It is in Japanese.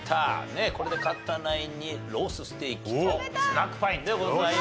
これで勝ったナインにロースステーキとスナックパインでございます。